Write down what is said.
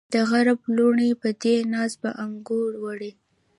د غرب لوڼې به دې ناز په اننګو وړي